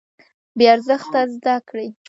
بې ارزښته زده کړې.